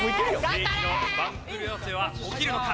世紀の番狂わせは起きるのか？